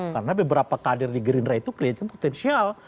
karena beberapa kader di gerindra itu kelihatan potensial